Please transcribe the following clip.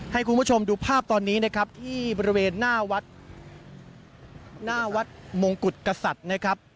ให้คุณผู้ชมดูภาพตอนนี้นะครับที่บริเวณหน้าวัดหน้าวัดมงกุฎกษัตริย์นะครับ